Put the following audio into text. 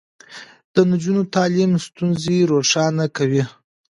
د نجونو تعليم ستونزې روښانه کوي.